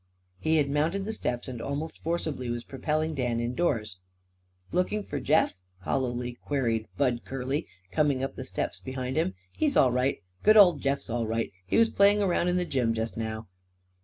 He had mounted the steps and almost forcibly was propelling Dan indoors. "Looking for Jeff?" hollowly queried Bud Curly, coming up the steps behind him. "He's all right. Good old Jeff's all right. He was playing round in the gym just now."